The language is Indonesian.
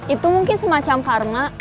itu mungkin semacam karma